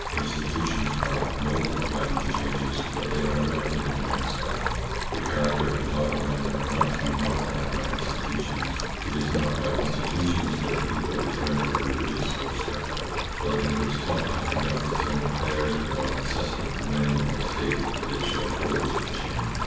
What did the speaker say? Insti tutions are moulded by these changes, but they are not in advance of them. The character and thought of men are not to be modified by institutions. It is not by institutions that a people is rendered religious or sceptical, or that it is taught to conduct its own affairs without incessantly demanding of the State that it shall forge it a chain.